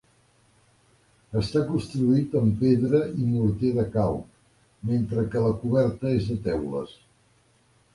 Està construït amb pedra i morter de calc, mentre que la coberta és de teules.